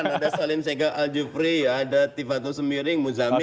ada salim sege aljufri ada tifatul semiring muzamil